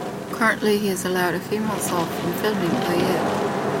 Currently, he is allowed a few months off from filming per year.